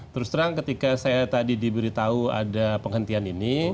terus terang ketika saya tadi diberitahu ada penghentian ini